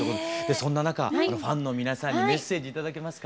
そんな中ファンの皆さんにメッセージ頂けますか？